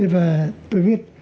và tôi viết